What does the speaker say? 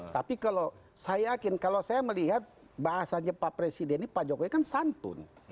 tapi kalau saya yakin kalau saya melihat bahasanya pak presiden ini pak jokowi kan santun